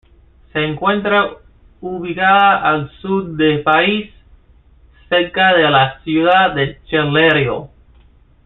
Se encuentra ubicada al sud del país, cerca de la ciudad de Charleroi.